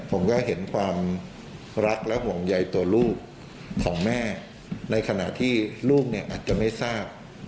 ผมก็เห็นความรักและห่วงใยตัวลูกของแม่ในขณะที่ลูกเนี่ยอาจจะไม่ทราบ